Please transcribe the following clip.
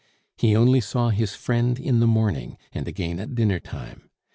He only saw his friend in the morning, and again at dinnertime.